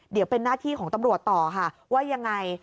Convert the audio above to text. เดี๋ยวเป็นหน้าที่ของตำรวจต่อค่ะว่ายังไง